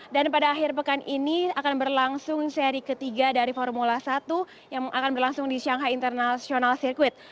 dan pada akhir pekan ini akan berlangsung seri ketiga dari formula satu yang akan berlangsung di shanghai international circuit